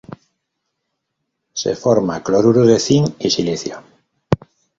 Se forma cloruro de cinc y silicio.